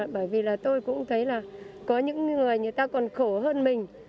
bởi vì là tôi cũng thấy là có những người người ta còn khổ hơn mình